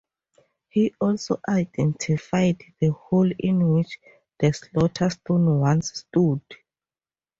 He also identified the hole in which the Slaughter Stone once stood.